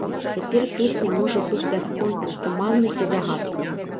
Цяпер песня можа быць бясконцай, туманнай і загадкавай.